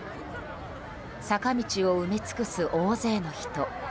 坂道を埋め尽くす大勢の人。